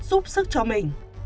giúp sức cho mình